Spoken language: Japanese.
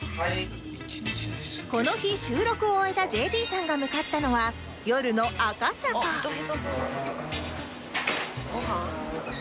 この日収録を終えた ＪＰ さんが向かったのはご飯？